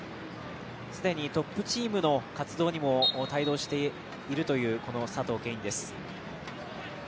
既にトップチームの活動にも帯同しているという佐藤恵允です。